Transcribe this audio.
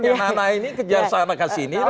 yang anak ini kejar sana ke sini